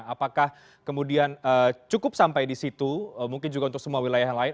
apakah kemudian cukup sampai di situ mungkin juga untuk semua wilayah lain